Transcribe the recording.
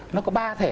nó có ba thể